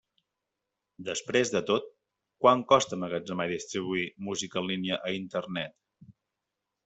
Després de tot, quant costa emmagatzemar i distribuir música en línia a Internet?